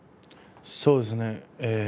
そうですね。